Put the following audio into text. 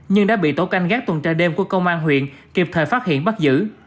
nhưng đã bị tổ canh gác tuần tra đêm của công an huyện kịp thời phát hiện bắt giữ